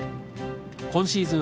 今シーズン